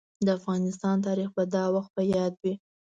د افغانستان تاريخ به دا وخت په ياد وي.